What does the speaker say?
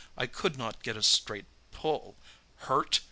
I could not get a straight pull. Hurt?